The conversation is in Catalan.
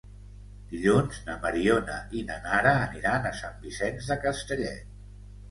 Dilluns na Mariona i na Nara aniran a Sant Vicenç de Castellet.